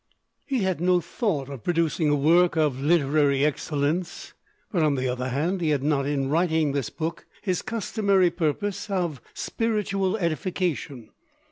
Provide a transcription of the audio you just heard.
He had no thought of producing a work of literary excellence; but on the other hand he had not, in writing this book, his customary purpose of spiritual edification.